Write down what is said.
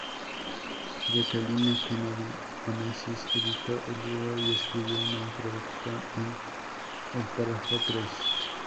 Jacqueline Kennedy Onassis editó el libro y escribió una introducción el párrafo tres.